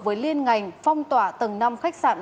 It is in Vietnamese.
với liên ngành phong tỏa tầng năm khách sạn